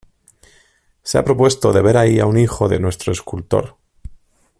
Se ha propuesto de ver ahí a un hijo de nuestro escultor.